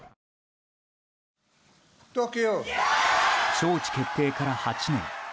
招致決定から８年。